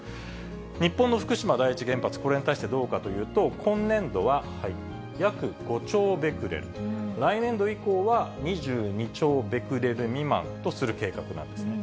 日本の福島第一原発、これに対してどうかというと、今年度は約５兆ベクレル、来年度以降は２２兆ベクレル未満とする計画なんですね。